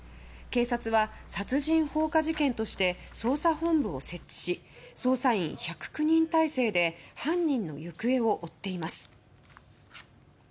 警察は、殺人放火事件として捜査本部を設置し捜査員１０９人態勢で犯人の行方を追っています。